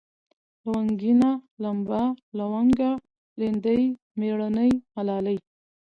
لونگينه ، لمبه ، لونگه ، ليندۍ ، مېړنۍ ، ملالۍ